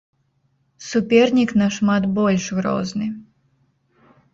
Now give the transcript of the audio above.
Супернік нашмат больш грозны.